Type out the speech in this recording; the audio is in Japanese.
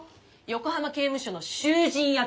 横浜刑務所の囚人役！